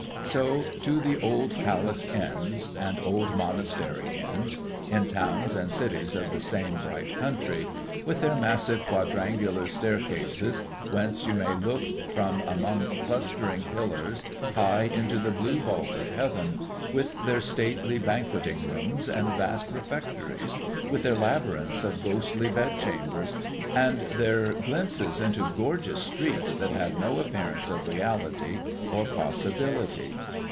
So to the old palace Inns and old monastery Inns, in towns and cities of the same bright country; with their massive quadrangular staircases, whence you may look from among clustering pillars high into the blue vault of heaven; with their stately banqueting rooms, and vast refectories; with their labyrinths of ghostly bedchambers, and their glimpses into gorgeous streets that have no appearance of reality or possibility.